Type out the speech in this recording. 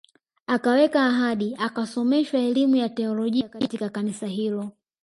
Akaweka ahadi akasomeshwa elimu ya teolojia katika kanisa hilo